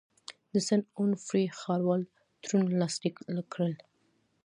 د سن اونوفري ښاروال تړون لاسلیک کړ.